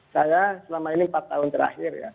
saya selama ini empat tahun terakhir ya